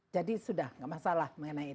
jadi sudah tidak masalah mengenai itu